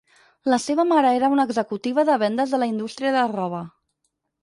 La seva mare era una executiva de vendes de la indústria de roba.